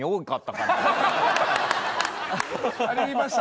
ありました